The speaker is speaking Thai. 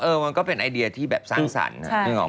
เออมันก็เป็นไอเดียที่แบบสร้างสรรค์